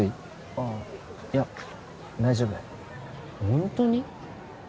ああいや大丈夫ホントに？